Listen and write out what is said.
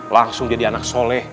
langsung jadi anak soleh